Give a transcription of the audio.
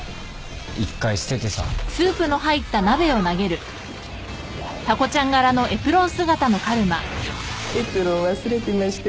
１回捨ててさエプロン忘れてましたよ